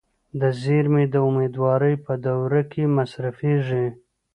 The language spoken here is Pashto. دا زیرمې د امیدوارۍ په دوره کې مصرفېږي.